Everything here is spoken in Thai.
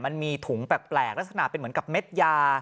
มันมีถุงแปลกลักษณะเป็นเหมือนกับเม็ดยา